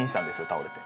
倒れて。